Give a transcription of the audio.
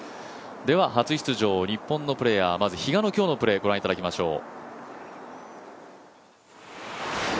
では、初出場日本のプレーヤー比嘉のプレーをご覧いただきましょう。